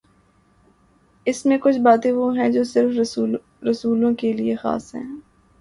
اس میںکچھ باتیں وہ ہیں جو صرف رسولوں کے لیے خاص ہیں۔